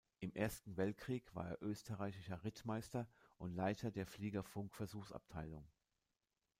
Im Ersten Weltkrieg war er österreichischer Rittmeister und Leiter der Fliegerfunk-Versuchsabteilung.